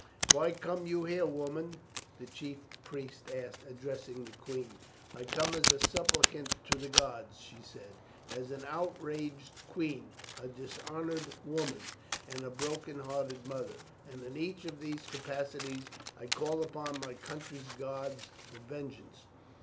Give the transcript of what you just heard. "Why come you here, woman?" the chief priest asked, addressing the queen. "I come as a supplicant to the gods," she said; "as an outraged queen, a dishonoured woman, and a broken hearted mother, and in each of these capacities I call upon my country's gods for vengeance."